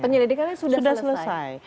penyelidikannya sudah selesai